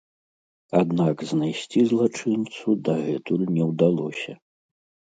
Аднак знайсці злачынцу дагэтуль не ўдалося.